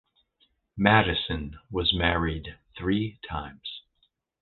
Madison was married three times.